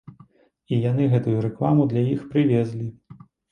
І яны гэтую рэкламу для іх прывезлі.